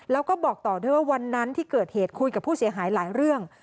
แล้วก็บอกต่อด้วยว่าวันนั้นที่เกิดเหตุคุยกับผู้เสียหายหลายเรื่อง